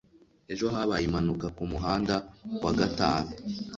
Ejo habaye impanuka kumuhanda wa gatanu